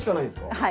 はい。